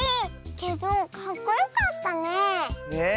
けどかっこよかったねえ。ね。